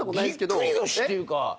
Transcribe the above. ぎっくり腰っていうか。